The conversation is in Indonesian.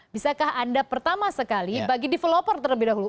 bisakah anda pertama sekali bagi developer terlebih dahulu